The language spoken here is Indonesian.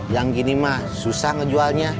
yang gini mah susah ngejualnya